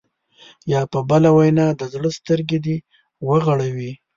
یا په بله وینا د زړه سترګې دې وغړوي.